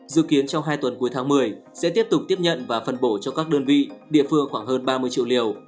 dự kiến trong hai tuần cuối tháng một mươi sẽ tiếp tục tiếp nhận và phân bổ cho các đơn vị địa phương khoảng hơn ba mươi triệu liều